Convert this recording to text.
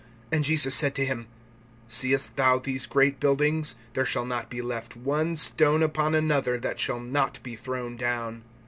(2)And Jesus said to him: Seest thou these great buildings? There shall not be left one stone upon another, that shall not be thrown down.